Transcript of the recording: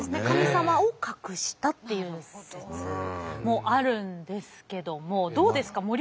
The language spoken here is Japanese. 神様を隠したっていう説もあるんですけどもどうですか？